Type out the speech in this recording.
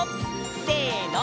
せの！